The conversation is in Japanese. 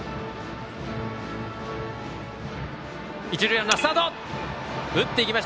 一塁ランナー、スタート。